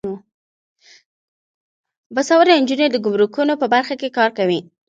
باسواده نجونې د ګمرکونو په برخه کې کار کوي.